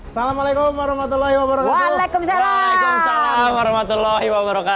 salamualaikum warahmatullahi wabarakatuh waalaikumsalam warahmatullahi wabarakatuh